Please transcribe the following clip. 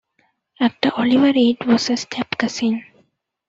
Actor Oliver Reed was a step-cousin.